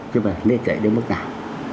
chứ mà nên dạy đến mức nào